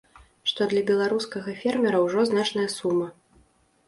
Што для беларускага фермера ўжо значная сума.